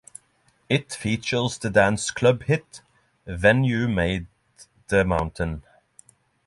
It features the dance club hit "When You Made The Mountain".